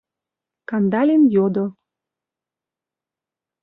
— Кандалин йодо.